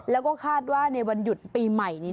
แล้วก็คาดว่าในวันหยุดปีใหม่นี้